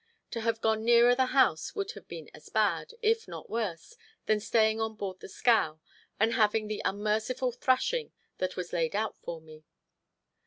To have gone nearer the house would have been as bad, if not worse, than staying on board the scow and having the unmerciful thrashing that was laid out for me.